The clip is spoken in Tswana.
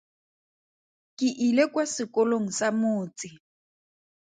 Ke ile kwa sekolong sa motse.